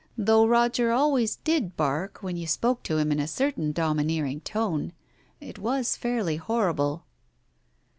Though Roger always did bark when you spoke to him in a certain domineering tone, it was fairly horrible.